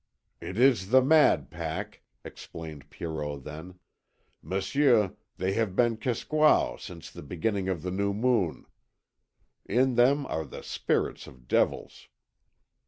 "It is the mad pack," explained Pierrot then. "M'sieu, they have been KESKWAO since the beginning of the new moon. In them are the spirits of devils."